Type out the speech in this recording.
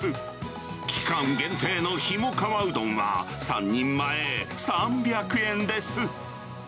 期間限定のひもかわうどんは３人前３００円です。